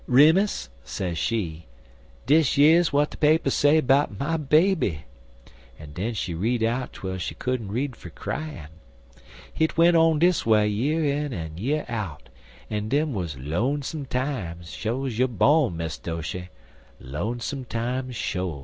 "'Remus,' sez she, 'dish yer's w'at de papers say 'bout my baby,' en den she'd read out twel she couldn't read fer cryin'. Hit went on dis way year in en year out, en dem wuz lonesome times, sho's you bawn, Miss Doshy lonesome times, sho.